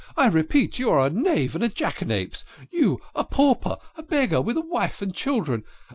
I repeat, you are a knave and a jackanapes. You a pauper a beggar with a wife and children.